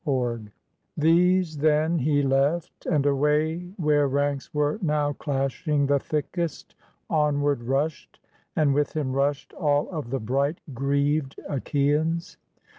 148 THESE, then, he left, and away where ranks were now clashing the thickest, Onward rushed, and with him rushed all of the bright greaved Achaians.